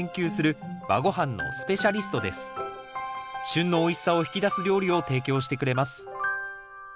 旬のおいしさを引き出す料理を提供してくれます。